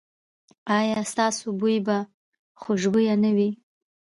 ایا ستاسو بوی به خوشبويه نه وي؟